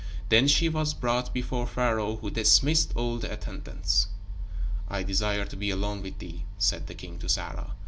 Then she was brought before Pharaoh who dismissed all the attendants. "I desire to be alone with thee," said the king to Sarah.